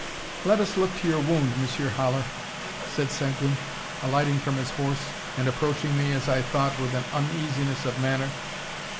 "Let us look to your wound, Monsieur Haller," said Seguin, alighting from his horse, and approaching me, as I thought, with an uneasiness of manner.